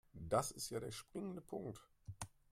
Das ist ja der springende Punkt.